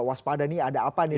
waspada nih ada apa nih